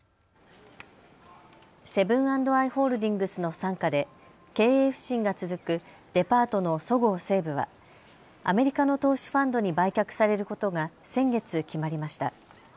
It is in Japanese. セブン＆アイ・ホールディングスの傘下で経営不振が続くデパートのそごう・西武はアメリカの投資ファンドに売却されることが先月、決まりました。